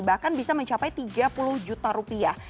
bahkan bisa mencapai tiga puluh juta rupiah